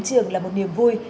trường là một niềm vui